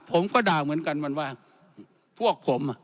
ผมก็ด่าเหมือนกันมันว่าพวกผมอ่ะ